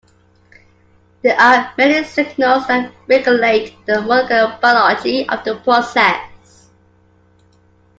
There are many signals that regulate the molecular biology of the process.